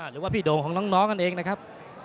รูปวันพี่ด่วงของน้องกันอย่างเดียวนะครับ